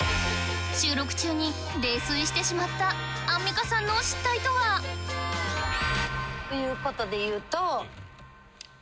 収録中に泥酔してしまったアンミカさんの失態とは？ということで言うと。